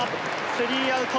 スリーアウト。